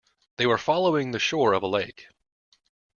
They were following the shore of a lake.